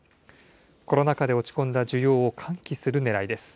コロナ禍で落ち込んだ需要を喚起するねらいです。